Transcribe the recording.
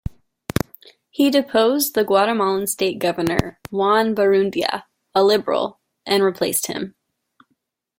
He deposed the Guatemalan state governor, Juan Barrundia, a Liberal, and replaced him.